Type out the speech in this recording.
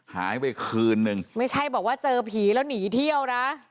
หายไปคืนนึงไม่ใช่บอกว่าเจอผีแล้วหนีเที่ยวนะ